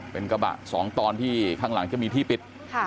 เป็นกระบะสองตอนที่ข้างหลังจะมีที่ปิด